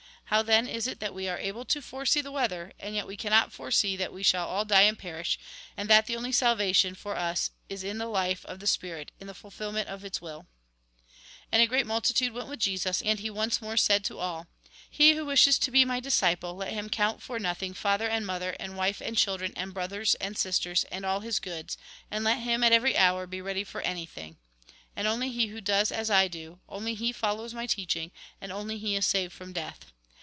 How, then, is it that we are able to foresee the weather, and yet we cannot foresee that we shall all die and perish, and that the only salvation for us is in the life of the spirit, in the fulfilment of its will ?" And a great multitude went with Jesus, and he once more said to all :" He who wishes to be my disciple, let him count for nothing father and mother, and wife and chil dren, and brothers and sisters, and all his goods, and let him at every hour be ready for anything. And only he who does as I do, only he follows my teaching, and only he is saved from death.